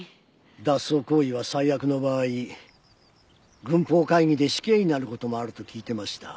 脱走行為は最悪の場合軍法会議で死刑になる事もあると聞いてました。